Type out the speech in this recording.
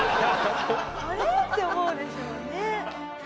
あれ？って思うでしょうね。